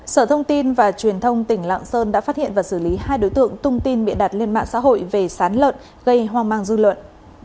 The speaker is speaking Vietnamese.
sở thông tin và truyền thông tỉnh lạng sơn đã phát hiện và xử lý hai đối tượng tung tin bịa đặt lên mạng xã hội về sán lợn gây hoang mang dư luận